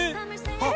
あっ。